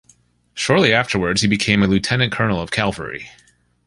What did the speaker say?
Shortly afterwards he became a lieutenant-colonel of cavalry.